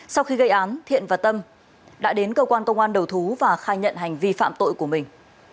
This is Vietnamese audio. sau khi gây án thiện và tâm đã đến cơ quan công an đầu thú và khai nhận hành vi phạm tội của mình